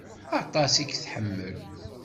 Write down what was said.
Aṭas i k-tḥemmel.